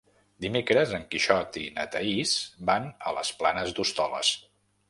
Dimecres en Quixot i na Thaís van a les Planes d'Hostoles.